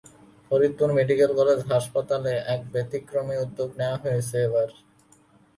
ফরিদপুরে medical college হাসপাতালে এক ব্যতিক্রমী উদ্যোগ নেওয়া হয়েছে এবার।